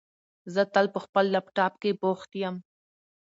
زه تل په خپل لپټاپ کېښې بوښت یم